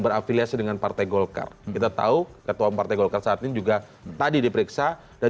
berafiliasi dengan partai golkar kita tahu ketua partai golkar saat ini juga tadi diperiksa dan